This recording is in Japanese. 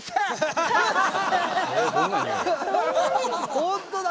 本当だ！